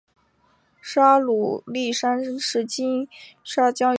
沙鲁里山是金沙江与雅砻江的分水岭。